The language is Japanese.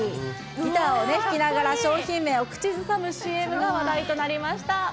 ギターを弾きながら、商品名を口ずさむＣＭが話題となりました。